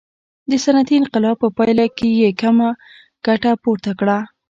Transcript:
د صنعتي انقلاب په پایله کې یې کمه ګټه پورته کړه.